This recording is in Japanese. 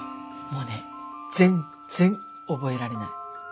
もうね全然覚えられない。